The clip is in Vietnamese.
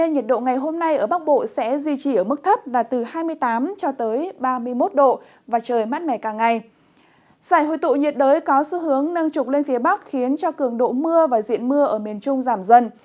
giải hội tụ nhiệt đới có xu hướng nâng trục lên phía bắc khiến cho cường độ mưa và diện mưa ở miền trung giảm dần